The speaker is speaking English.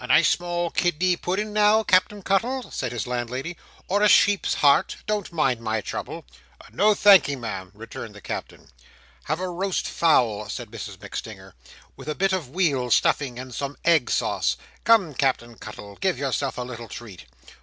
"A nice small kidney pudding now, Cap'en Cuttle," said his landlady: "or a sheep's heart. Don't mind my trouble." "No thank'ee, Ma'am," returned the Captain. "Have a roast fowl," said Mrs MacStinger, "with a bit of weal stuffing and some egg sauce. Come, Cap'en Cuttle! Give yourself a little treat!"